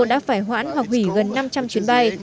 đã phải hoãn hoặc hủy gần năm trăm linh chuyến bay